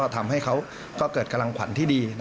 ทำให้เกิดกำลังผ่อนที่ดี